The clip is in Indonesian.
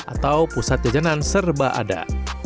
atau pusat jajanan serba ada